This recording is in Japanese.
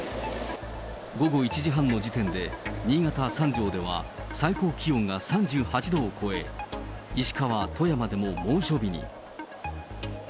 午後１時半の時点で、新潟・三条では最高気温が３８度を超え、石川、富山でも猛暑日に。